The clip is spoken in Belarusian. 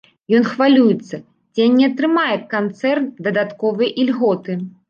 Ён хвалюецца, ці не атрымае канцэрн дадатковыя ільготы.